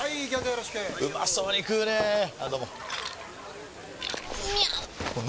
よろしくうまそうに食うねぇあどうもみゃう！！